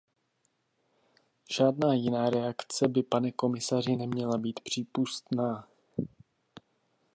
Žádná jiná reakce by, pane komisaři, neměla být přípustná.